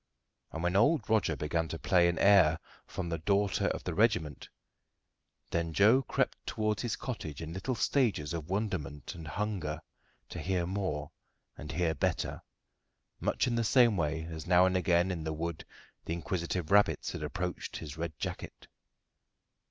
And when old Roger began to play an air from the Daughter of the Regiment, then Joe crept towards his cottage in little stages of wonderment and hunger to hear more and hear better, much in the same way as now and again in the wood the inquisitive rabbits had approached his red jacket.